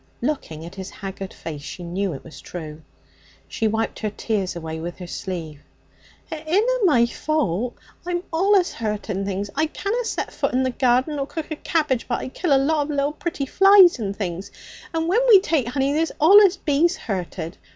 Looking at his haggard face, she knew it was true. She wiped her tears away with her sleeve. 'It inna my fault. I'm allus hurting things. I canna set foot in the garden nor cook a cabbage but I kill a lot of little pretty flies and things. And when we take honey there's allus bees hurted.